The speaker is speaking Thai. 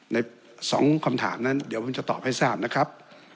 ใน๒คำถามนั้นเดี๋ยวผมจะตอบให้ทราบนะครับ